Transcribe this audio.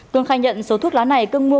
cương khai nhận số thuốc lá này cương mua